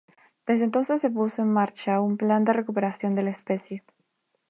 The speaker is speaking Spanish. Desde entonces se puso en marcha un plan de recuperación de la especie.